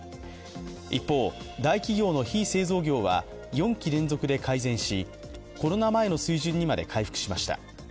一方、大企業の非製造業は４期連続で改善しコロナ前の水準にまで回復しました。